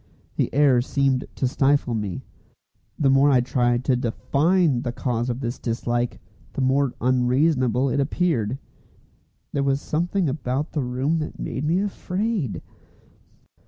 The air seemed to stifle me. The more I tried to define the cause of this dislike, the more unreasonable it appeared. There was something about the room that made me afraid.